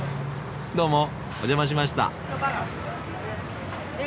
どうもお邪魔しました。